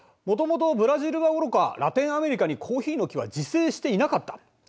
もともとブラジルはおろかラテンアメリカにコーヒーの木は自生していなかった。